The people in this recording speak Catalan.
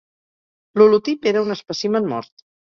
L'holotip era un espècimen mort.